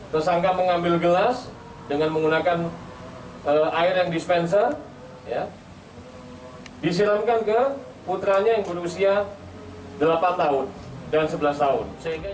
tersangka mengambil gelas dengan menggunakan air yang dispenser disiramkan ke putranya yang berusia delapan tahun dan sebelas tahun